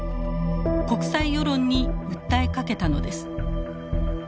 国際世論に訴えかけたのです。